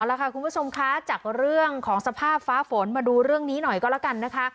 แล้วค่ะคุณผู้ชมคะจากเรื่องของสภาพฟ้าฝนมาดูเรื่องนี้หน่อยก็แล้วกันนะคะ